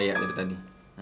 iya udah tadi